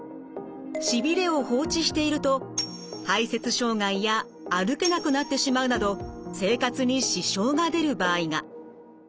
しびれを放置していると排せつ障害や歩けなくなってしまうなど生活に支障が出る場合が。